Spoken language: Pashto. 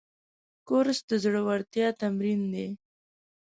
کورس د زړورتیا تمرین دی.